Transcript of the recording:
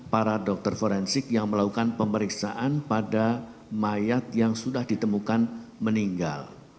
para dokter forensik yang melakukan pemeriksaan pada mayat yang sudah ditemukan meninggal